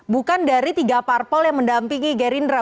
bukan dari tiga parpol yang mendampingi gerindra